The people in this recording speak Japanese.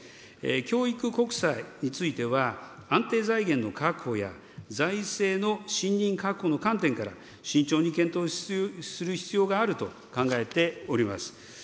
教育国債については、安定財源の確保や財政のしんにん確保の観点から、慎重に検討する必要があると考えております。